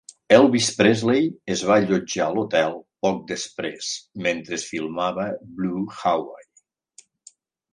Elvis Presley es va allotjar a l'hotel poc després mentre filmava "Blue Hawaii".